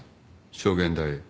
証言台へ。